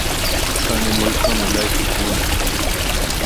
اسان جي ملڪ ڪم الائي سڪون ا